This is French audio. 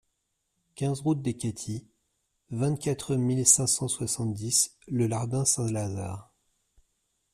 quinze route des Caties, vingt-quatre mille cinq cent soixante-dix Le Lardin-Saint-Lazare